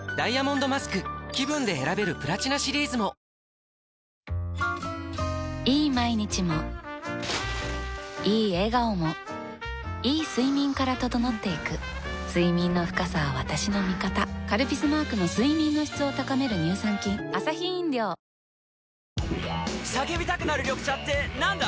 さらに、いい毎日もいい笑顔もいい睡眠から整っていく睡眠の深さは私の味方「カルピス」マークの睡眠の質を高める乳酸菌叫びたくなる緑茶ってなんだ？